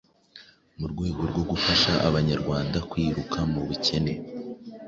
Mu rwego rwo gufasha Abanyarwanda kwikura mu bukene